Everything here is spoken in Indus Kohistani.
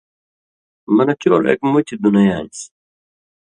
منہ چور اک مُتیۡ دُنئ آن٘سیۡ